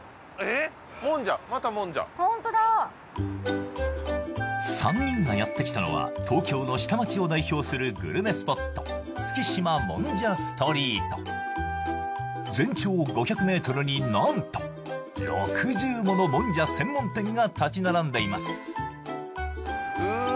ホントだ３人がやってきたのは東京の下町を代表するグルメスポット全長５００ｍに何と６０ものもんじゃ専門店が立ち並んでいます